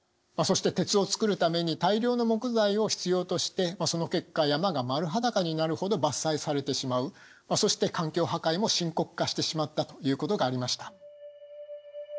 そして鉄を作るために大量の木材を必要としてその結果山が丸裸になるほど伐採されてしまうそして環境破壊も深刻化してしまったということがありました。